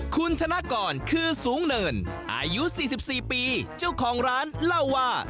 คุณธนกรคือสูงเนินอายุ๔๔ปีเจ้าของร้านเล่าว่า